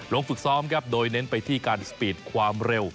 ฝึกซ้อมครับโดยเน้นไปที่การสปีดความเร็ว